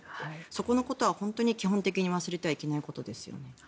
そこのことは本当に基本的には忘れてはいけないことですよね。